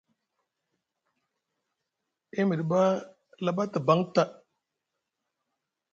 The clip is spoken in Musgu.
E miɗi ɓa laɓa te baŋ ta.